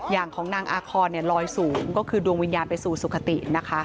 อย่างของนางอาคอนลอยสูงก็คือดวงวิญญาณไปสู่สุขตินะคะ